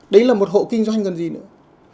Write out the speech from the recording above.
đấy là một hộ kinh doanh còn gì nữa